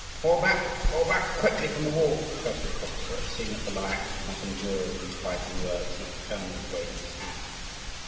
"Fall back, fall back quickly from the wall!" shouted the Koschevoi, seeing that the Lyakhs could not endure these biting words, and that the colonel was waving his hand.